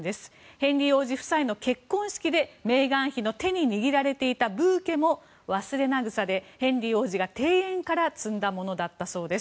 ヘンリー王子夫妻の結婚式でメーガン妃の手に握られていたブーケもワスレナグサでしてヘンリー王子が庭園から摘んだものだったそうです。